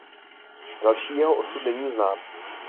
Další jeho osud není znám.